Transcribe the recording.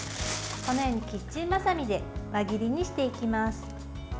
このようにキッチンばさみで輪切りにしていきます。